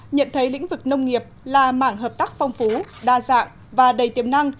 nhận thấy lĩnh vực nông nghiệp là mảng hợp tác phong phú đa dạng và đầy tiềm năng